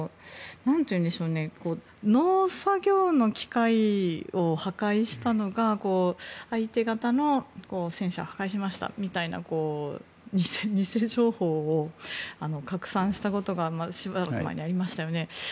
農作業の機械を破壊したのが相手方の戦車を破壊しましたみたいな偽情報を拡散したことがしばらく前にありましたよね。